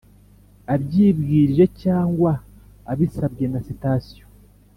Abyibwirije cyangwa abisabwe na sitasiyo